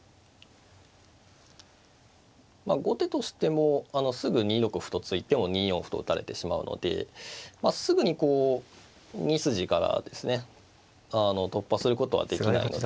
後手としてもすぐ２六歩と突いても２四歩と打たれてしまうのですぐにこう２筋からですね突破することはできないので。